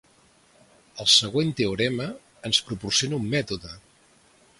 El següent teorema ens proporciona un mètode.